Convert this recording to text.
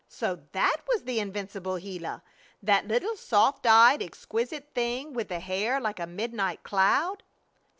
So that was the invincible Gila! That little soft eyed exquisite thing with the hair like a midnight cloud.